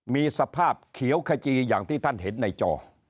มีสภาพเขียวขจีอย่างที่ท่านเห็นในจอ